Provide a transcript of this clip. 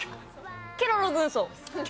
『ケロロ軍曹』。